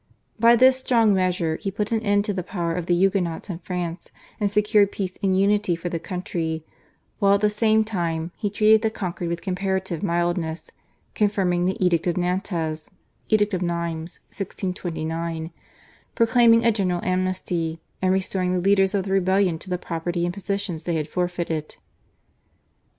By this strong measure he put an end to the power of the Huguenots in France and secured peace and unity for the country, while at the same time he treated the conquered with comparative mildness, confirming the Edict of Nantes (Edict of Nimes, 1629), proclaiming a general amnesty, and restoring the leaders of the rebellion to the property and positions they had forfeited.